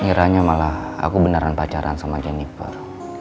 ngeranya malah aku beneran pacaran sama jennifer